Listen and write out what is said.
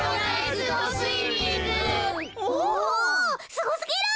すごすぎる。